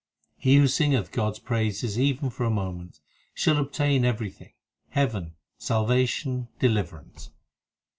8 He who singeth God s praises even for a moment, Shall obtain everything heaven, salvation, deliverance.